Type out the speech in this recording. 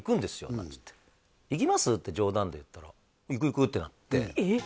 なんつって「行きます？」って冗談で言ったら「行く行く」ってなってえっ？